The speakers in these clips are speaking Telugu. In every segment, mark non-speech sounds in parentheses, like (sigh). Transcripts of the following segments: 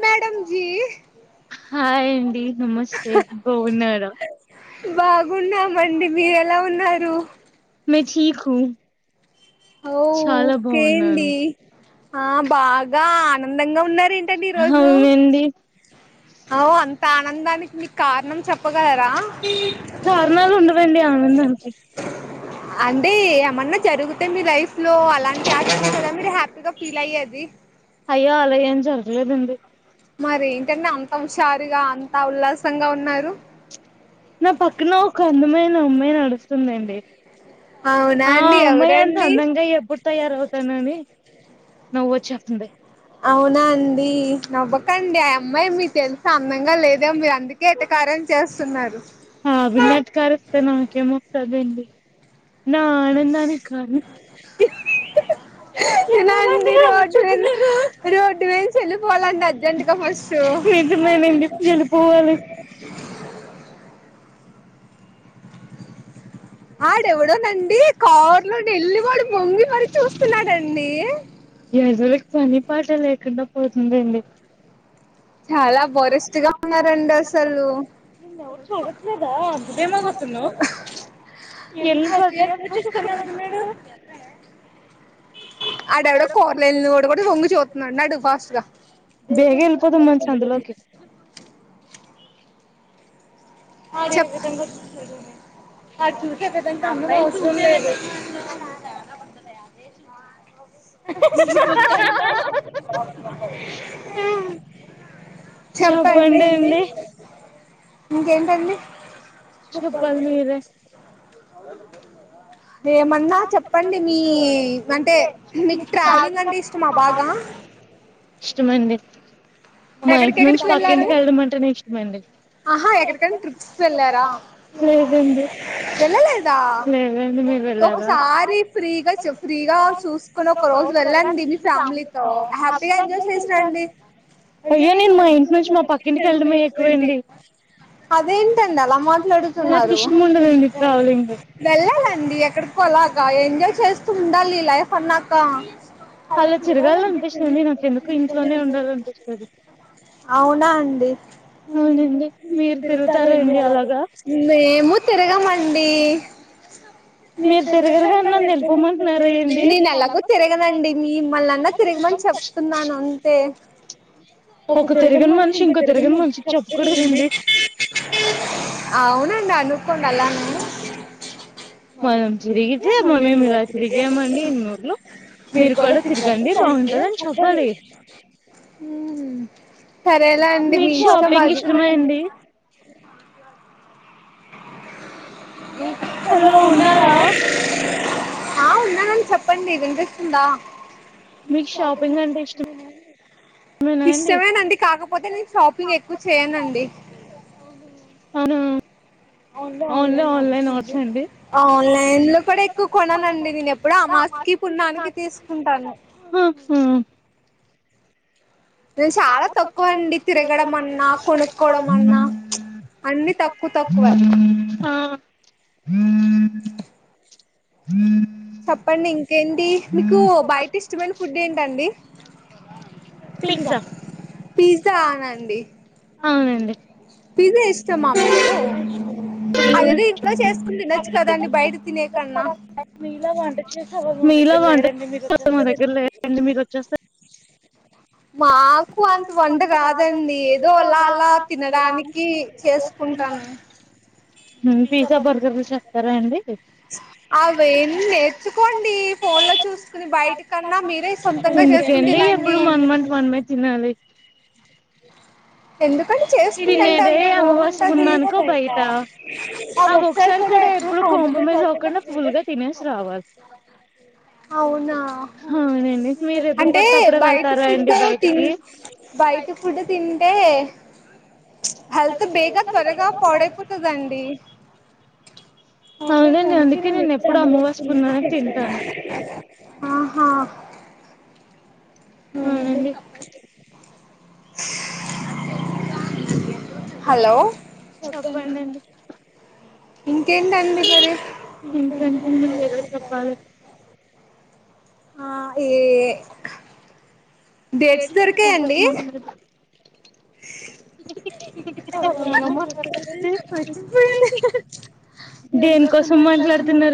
మేడమ్ జీ నమస్తే బావున్నారా చెప్పండి మీరేలా ఉన్నారు మై టిక్ హు ఓ ఓకే అండి ఆ బాగా ఆనందంగా ఉన్నార ఏంటండి ఈరోజు అంత ఆనందానికి మీకు కారణం చెప్పగలరా అంటే మొన్న జరుగుతుంది లైఫ్ స్లో అలాంటి అ చెప్పే కదా మీరు హ్యాపీగా ఫీల్ అయ్యేది మీ మరి ఏంటంటే అన్ హుషారుగా అంత ఉల్లాసంగా ఉన్నారు అవునా అండి ఎవరండి అవునా అండి నవ్వకండి ఆ అమ్మాయి మీ తెలిస అందంగా లేదే మీరు అందుకే ఎటకారం చేస్తున్నారు ఆ అ విమాత్ కారస్త నాకే మొత్తదండి నా ఆనందాన్ని కరు రోడ్ రోడ్డు నుంచి వెళ్లిపోవాలండి అర్జెంట్గా ఫస్ట్ ఆడెవడోనండి కారులో వెల్లివాడు వంగి మరి చూస్తున్నాడండి ఎజలకి పని పాట లేకుండా పోతుందండి చాలా బరెస్ట్ గా ఉన్నారండి అసలు (unintelligible) వెళ్ళిపోతివా ఇంకా చూసుకుంటూ వెళ్తున్నాడు ఆడెవడో కోరలెళ కూడా వొంగి చూతున్నాడు ఫాస్ట్ గా అ చెప్ (unintelligible) చెప్పండి ఏంటండి ఏమన్నా చెప్పండి మీ అంటే మీకు ట్రావెలింగ్ అంటే ఇష్టమా బాగా ఇష్ట మైంది మా ఇంటి నుంచి పక్కింటికి వెళ్ళడం అంటేనే ఇష్టమండి ఆహా ఎక్కడకన్నా ట్రిప్స్కి వెళ్ళారా వెళ్ళలేదా ఒకసారి ఫ్రీగా ఫ్రీగా చూసుకుని ఒక రోజు వెళ్ళండి మీ ఫ్యామిలీతో హ్యాపీగా ఎంజాయ్ చేసిరండి అదేంట అలా మాట్లాడుతున్నారు వెళ్ళాలండి ఎక్కడికో లాగా ఎంజాయ్ చేస్తూ ఉండాలి లైఫ్ అన్నాక అవునా అండి పిరుతారు మేము తిరగమండి అ నేను ఎలాగో తిరగదండి మిమ్మల్ని అన్న తిరగమని చెప్తున్నాను అంతే ఒక (unintelligible) అవునండి అనుకోండి అలా నే సరేలే అండి మీ ఇష్టమది డి (unintelligible) ఎ చ లో ఉన్నా (unintelligible) ఆ ఉన్నానని చెప్పండి వినిపిస్తుందా మీ షాపింగ్ ఇష్టమేనండి కాకపోతే నేను షాపింగ్ ఎక్కువ చేయనండి ఆన్లైన్ లో కూడా ఎక్కువ కొననండి నేను ఎప్పుడు ఆ మాస్కి పున్నానికి తీసుకుంటాను నేను చాలా తక్కువ అండి తిరగడం అన్నా కొనుక్కోవడం అన్నా అన్ని తక్కువ తక్కువే హ (unintelligible) చెప్పండి ఇంకా ఏంటి మీకు బయట ఇష్టమైన ఫుడ్ ఏంటండి పిజా పిజ్జానండి పిజ్జా ఇష్టమా మీకు అదేదొ ఇంట్లో చేసుకుని తినొచ్చు కదండి బయట తినే కన్నా మీలా వంట చేసేవాళ్లు మా దగ్గర లేరండి మీరు వచ్చేస్తారండి మా దగ్గరికి మాకు అంత వంట రాదండి ఏదో అలా అలా తినడానికి చేసుకుంటాను అవి ఏవి నేర్చుకోండి ఫోన్ లో చూసుకుని బయటికన్నా మీరే సొంతంగా చేసుకోని తినండి అడి ఎందుకంటే చేస్కుంట ఉంటే అ బగుంటది అది ఒకసారి కూడా ఎక్కడ కాంప్రమైజ్ అవ్వకుండా తింటే చాలు అవునా అంటే బయట ఫుడ్ బయట ఫుడ్ తింటే హెల్త్ బేగా త్వరగా పడైపొతాది అవునండి అందుకే నేను ఇ అమ్ చె (unintelligible) ఆహా ఒఒ హలో చెప్పండి ఇంకేంటం మంగ్ (unintelligible) ఆ ఏ వ కాకాసు మన ఇ జకా సమాలాతున్నారు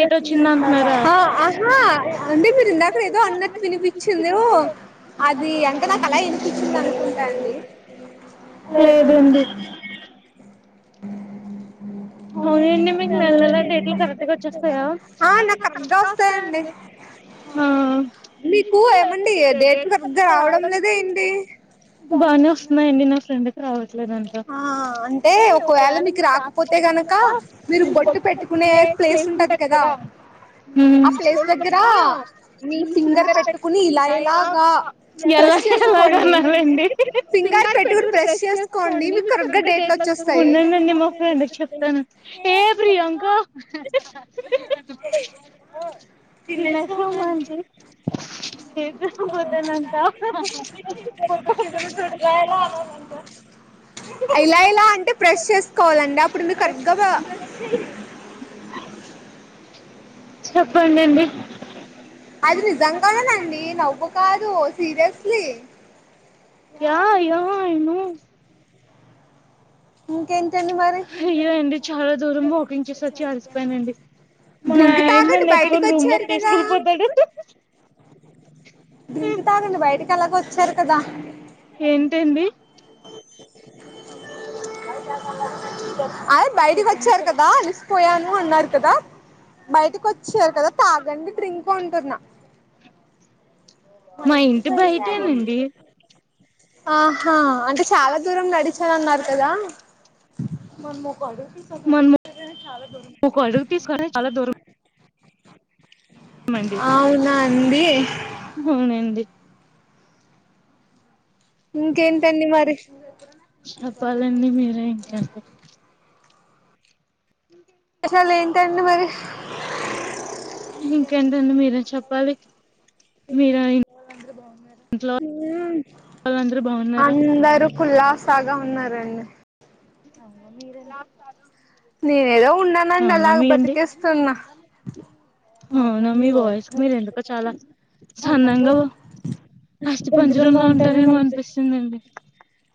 కస మన్నారు (unintelligible) అండి మీరు ఇందాక ఏదో అన్నట్టు వినిపించింది అది అంటే నాకు అలా వినిపిచింది అనుకు లేదండి అం నాకు కరెక్గా వస్తాయండి మీకు ఏమండి ఏ డేట్ సరిగ్గా రావడం లేదా ఎంది బా వస్తున్నాయి ఆ అంటే ఒకవేళ మీకు రాకపోతే అే కనుక మీరు బొటు పెట్టుకునే ప్లేస్ ఉంటది కదా ప్లేస్ లో కూడా మీ ఫీంగర్ పెట్టుకుని ఇలా ఇలాగా ఎలా ఎలాగ ఉన్నాండి ఫింగార్ పెట్టుకుని ప్ర్రెష్ చేసుకోండి మీకు కరగ్గా డేట్లు వచ్చేస్తాయి ఏ ప్రియాంక విినశ మంది (unintelligible) ద్ద మద్దనంట ఇలా ఇలా అంటే ప్ర్రెస్చేసుకోవాలండి అప్పుడు కదా చెప్పండి అండి అది నిజం గా నేనండి నవ్వు కాదు seriously yeah yeah I know ఇంకెంటి హయ్యో అండి చాలా దూరం వాకింగ్ చేసి వచ్చి అలిసిపోయానండి మా ఆయన నన్ని ఎత్తుకొని రూమ్ లోకి తీసుకెళ్ళిపోతాడు డ్రింక్ తాగండి బయటికి ఎలాగొ వచ్చారు కదా ఏంటండి అది బయటికి వచ్చారు కదా అలిసిపోయాను అన్నారు కదా బయటికి వచ్చారు కదా తాగండి డ్రింక్ అంటున్నా ఆహా అంటే చాలా దూరం నడిచానన్నారు కదా మమ్మో కడుపు ఇంక నడవకుంటేనే చాలా బరువు ఉంది అవునా అండి అవునండి ఇంకేంటండి మరి చెప్పాలండి మీరే ఇంకేంటి అసలు ఏంటండి మరి ఇంకేంటండి మీరే చెప్పాలి అందరూ కులాసాగా ఉన్నారు రండి అవునా మీరండి నేను ఏదో ఉన్నానండి అలాగ బతికేస్తున్న్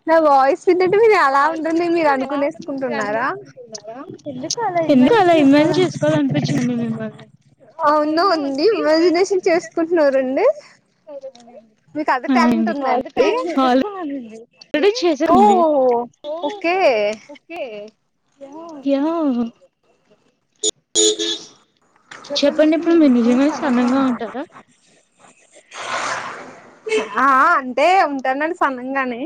నా వాయిస్ (unintelligible) మీరు అలా ఉంటుంది మీరు అనుకునేసుకుంటున్నారా అవునా అండి ఇమాజినేషన్ చేసుకుంటున్నారండి మీకు అది టాలెంట్ ఉందండి ఓ ఓకే యా చెప్పండి ఇప్పుడు మీరు నిజంగానే సన్నంగా ఉంటారా ఆ ఆ అంటే ఉంటానండి సన్నంగానే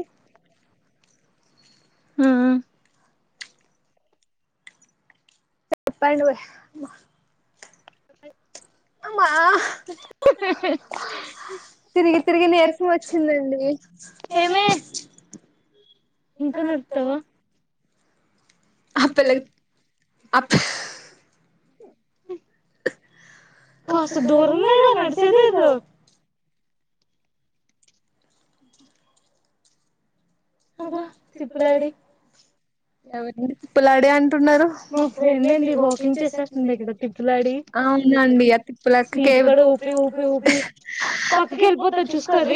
చెప్పండి ఓయ్ అమ్మా తిరిగి తిరిగి నీరసం వచ్చిందండి ఆ పిల్ల ఆ పి కాస్త దూరం లేదా నడిసేదేదో అహ తిప్పులాడి ఎవర్ని తిప్పులాడి అంటున్నారు మా ఫ్రెండ్ అండి వాకింగ్ చేసేస్తుంది అవునండి ఆ తిప్పులా ఊపి ఊపి ఊపి పక్కకు వెళ్లొపోతాయి చేసుకో అవి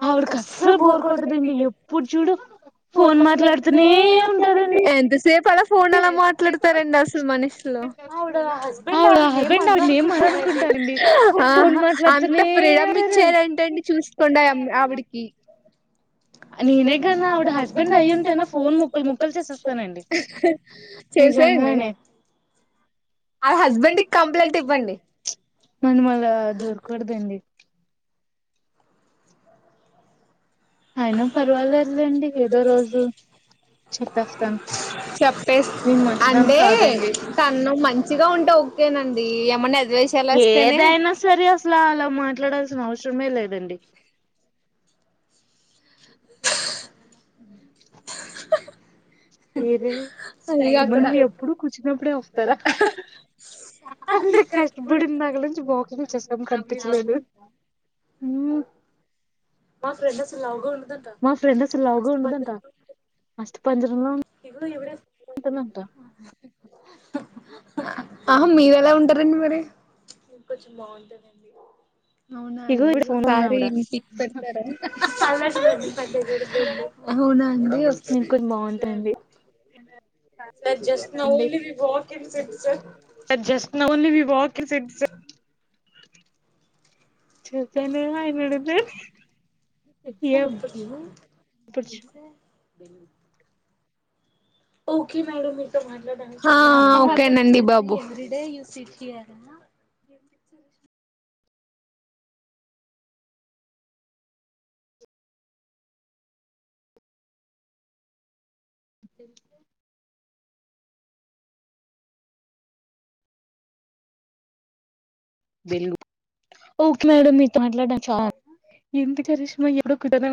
ఆవిడకి కసలు బోర్ కోటదండి ఎప్పుడూ చూసిన ఫోన్ మాట్లాతునే ఉంటాదా అండి అంత సేపు ఫోన్ ఎలా మాట్లాడుతారండి అసలు మనుషులు ఆవిడ హస్బెండ్ ఆవిడను ఏం అనరనుకుంట అండి అహ అంత ఫ్రీడమ్ పిచ్చర ఏంటండి చూసుకోండి ఆ ఆవిడికి నేనే కానీ ఆవిడ హస్బెండ్ అయింటే ను ఫోన్ ముక్కలు ముక్కలు చేసేసాతను చేసేయండి అహల్ల హస్బెండ్కి కంప్లైంట్ ఇవ్వండి అ చెప్పే అంటే తను మంచిగా ఉంటే ఓకేనండి ఏమన్నా ఎదవ వేషాలు వేస్తేనే (inaudible) (inaudible) మీరే ఏమండి ఎప్పుడు కూర్చున్నప్పుడే వస్తారా అంత కష్టపడి ఇందాకల్నించి బాక్సింగ్ చేసాం కనిపించలేదు లాగును మా ఫ్రెండ్ అసలు లావు గా ఉండదట పంజరంలా ఉంటుందట ఆహా మీరు ఎలా ఉంటారండి మరి కొంచెం బాగుంటానండి అవునా అండి ఒకసారి మీ పిక్ పెడతార అవునా అండి బాగుంటా అండి just now only we walking సిక్సర్ వి వాక్ కిన్ సిడ్స్ (unintelligible) చెప్పనా అయ్యానా అడుగు (unintelligible) పుచ్ హు ఒకే మేడమ్ మీతో మాట్లాడాలి హా హా ఒక నండి బాబు (unintelligible) తె (inaudible) ఓకే మేడం మీతో మాట్లాడ చా (inaudible) ఎందు కరిష్మా ఎప్పుడో